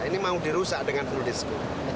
ini mau dirusak dengan full day school